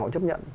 họ chấp nhận